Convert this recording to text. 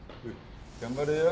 頑張れよ。